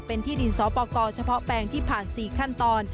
เป็นที่ดินสปกรเฉพาะแปลงที่ผ่าน๔ขั้นตอน